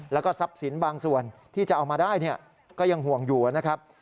แล้วก็ทรัพย์สินบางส่วนที่จะเอามาได้ก็ยังห่วงอยู่นะครับ